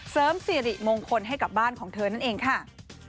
เสริมสิริมงคลให้กับบ้านของเธอนั่นเองค่ะ